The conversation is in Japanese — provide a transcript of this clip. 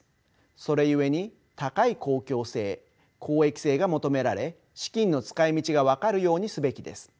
それゆえに高い公共性公益性が求められ資金の使いみちが分かるようにすべきです。